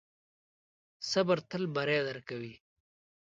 صبر تل بری درکوي.